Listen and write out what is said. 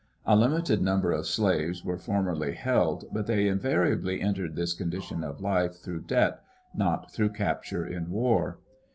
A limited number of slaves were formerly held, but they invariably entered this condition of life through debt, not through capture in war.